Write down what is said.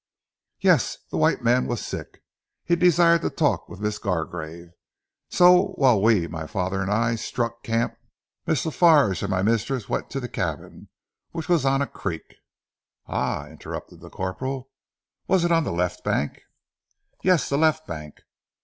"Yes. The white man was sick. He desired to talk with Miss Gargrave; so whilst we my father and I struck camp, Miss La Farge and my mistress went to the cabin which was on a creek " "Ah!" interrupted the corporal. "Was it on the left bank?" "Yes! The left bank.